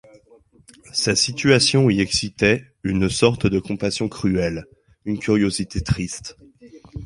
Sa situation y excitait une sorte de compassion cruelle, une curiosité triste.